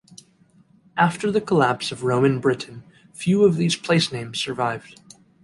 After the collapse of Roman Britain, few of these placenames survived.